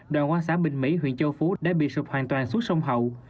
đoàn quan xã bình mỹ huyện châu phú đã bị sụp hoàn toàn xuống sông hậu